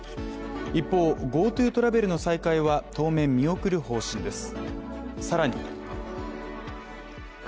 一方、ＧｏＴｏトラベルの再開は当面見送る方針です。